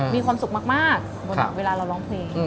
มีความสุขมากบนเวลาเราร้องเพลง